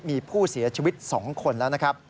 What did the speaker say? มีผู้เสียชีวิต๒คนแล้ว